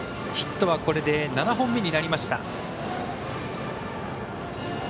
ヒットはこれで７本目になりました。